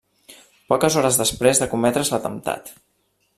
Poques hores després de cometre's l'atemptat.